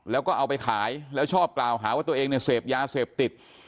แล้วก็เอาไปขายแล้วชอบกล่าวหาว่าตัวเองเนี่ยเสพยาเสพติด